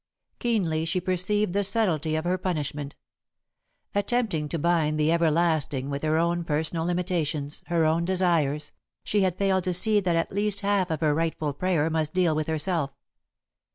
Keenly she perceived the subtlety of her punishment. Attempting to bind the Everlasting with her own personal limitations, her own desires, she had failed to see that at least half of a rightful prayer must deal with herself.